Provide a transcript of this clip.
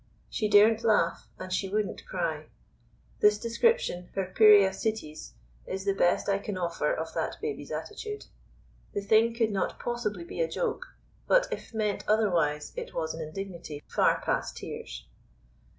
"She daren't laugh, and she wouldn't cry"; this description, her Piria Sittie's, is the best I can offer of that baby's attitude. The thing could not possibly be a joke, but if meant otherwise, it was an indignity far past tears.